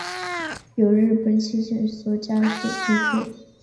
由日本气象学家所提出。